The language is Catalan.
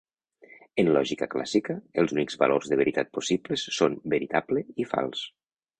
En lògica clàssica, els únics valors de veritat possibles són veritable i fals.